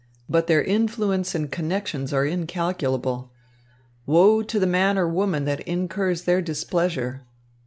But their influence and connections are incalculable. Woe to the man or woman that incurs their displeasure."